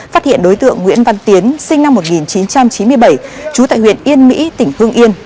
phát hiện đối tượng nguyễn văn tiến sinh năm một nghìn chín trăm chín mươi bảy trú tại huyện yên mỹ tỉnh hương yên